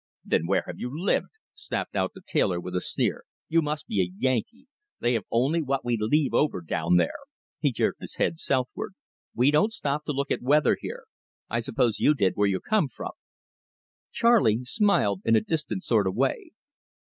"Then where have you lived?" snapped out the tailor with a sneer. "You must be a Yankee they have only what we leave over down there!" he jerked his head southward. "We don't stop to look at weather here. I suppose you did where you come from?" Charley smiled in a distant sort of way.